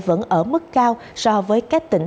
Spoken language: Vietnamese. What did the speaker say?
vẫn ở mức cao so với các tỉnh